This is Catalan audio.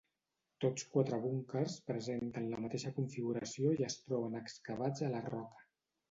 Tots quatre búnquers presenten la mateixa configuració i es troben excavats a la roca.